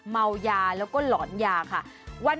เมายาแล้วก็หลอนยาค่ะ